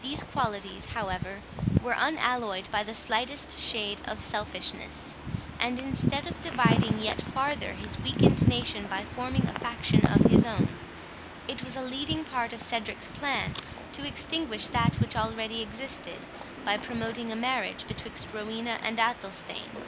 These qualities, however, were unalloyed by the slightest shade of selfishness; and, instead of dividing yet farther his weakened nation by forming a faction of his own, it was a leading part of Cedric's plan to extinguish that which already existed, by promoting a marriage betwixt Rowena and Athelstane.